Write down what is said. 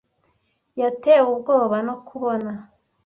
Yatewe ubwoba no kubona.